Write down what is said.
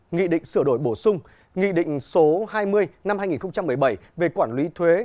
nghị định sửa đổi bổ sung nghị định số hai mươi năm hai nghìn một mươi bảy về quản lý thuế